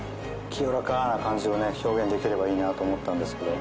清らかな感じをね表現できればいいなと思ったんですけど。